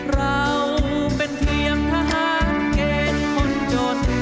เราเป็นเพียงทหารเกณฑ์คนจน